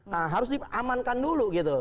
nah harus diamankan dulu gitu